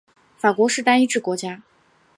法国是单一制国家。